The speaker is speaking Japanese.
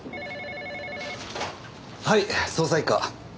はい捜査一課。